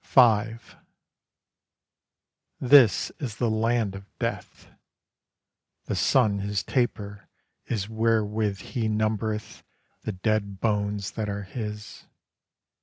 V This is the land of Death; The sun his taper is Wherewith he numbereth The dead bones that are his.